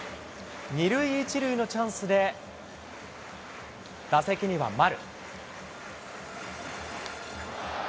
２塁１塁のチャンスで、打席には丸。